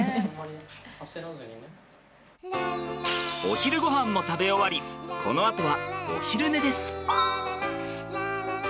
お昼ごはんも食べ終わりこのあとはお昼寝です。